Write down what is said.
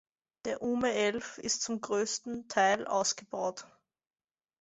Der Ume älv ist zum größten Teil ausgebaut.